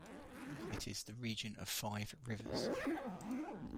It is the region of five rivers.